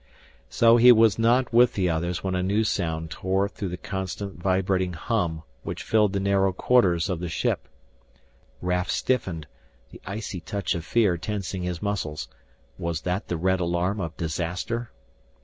So he was not with the others when a new sound tore through the constant vibrating hum which filled the narrow corridors of the ship. Raf stiffened, the icy touch of fear tensing his muscles. Was that the red alarm of disaster?